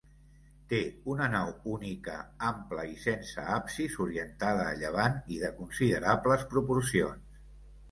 Té una nau única, ampla i sense absis, orientada a llevant i de considerables proporcions.